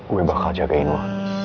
gue bakal jagain lo